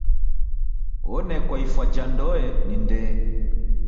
Onekwa ifwa ja ndoe ni ndee.